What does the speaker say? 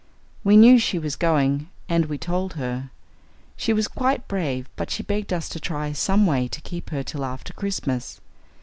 We knew she was going, and we told her. She was quite brave, but she begged us to try some way to keep her till after Christmas.